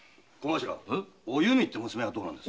お弓って娘は？